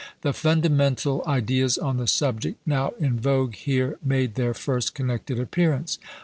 The fundamental ideas on the subject now in vogue here made their first connected appearance.